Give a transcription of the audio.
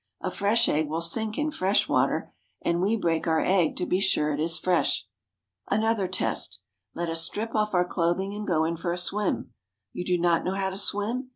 A fresh egg will sink in fresh water, and we break our egg to be sure it is fresh. Another test. Let us strip off our clothing and go in for a swim. You do not know how to swim?